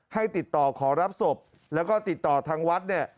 ให้ติดต่อขอรับศพแล้วก็ติดต่อทางวัดเนี่ย